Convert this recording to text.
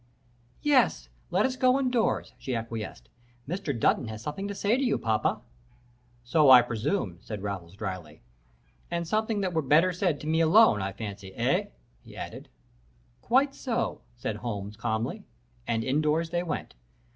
"'Yes, let us go in doors,' she acquiesced. 'Mr. Dutton has something to say to you, papa.' "'So I presumed,' said Raffles, dryly. 'And something that were better said to me alone, I fancy, eh?' he added. "'Quite so,' said Holmes, calmly. And in doors they went.